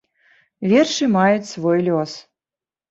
Вершы маюць свой лёс.